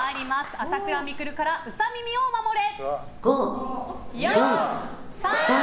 朝倉未来からウサ耳を守れ！